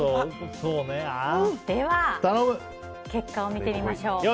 では結果を見てみましょう。